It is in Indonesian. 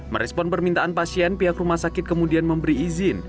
merespon permintaan pasien pihak rumah sakit kemudian memberi izin